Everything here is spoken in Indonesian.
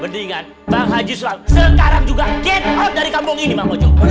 mendingan bang haji sulam sekarang juga get out dari kampung ini mang ojo